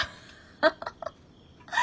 ハハハ。